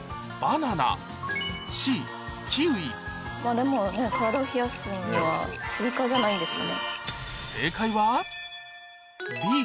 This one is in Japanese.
でもね体を冷やすにはスイカじゃないんですかね。